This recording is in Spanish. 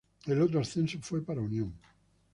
El otro ascenso fue para Unión.